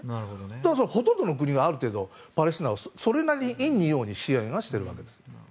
だから、ほとんどの国がある程度、パレスチナを陰に陽に支援しているわけです。